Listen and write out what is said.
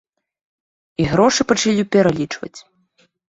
І грошы пачалі пералічваць.